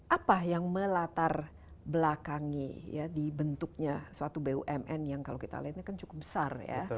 apa yang melatar belakangi ya dibentuknya suatu bumn yang kalau kita lihatnya kan cukup besar ya